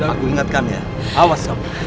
aku ingatkan ya awas kamu